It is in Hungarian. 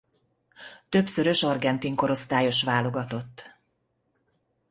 Többszörös argentin korosztályos válogatott.